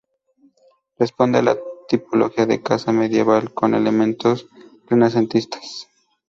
Responde a la tipología de casa medieval con elementos renacentistas.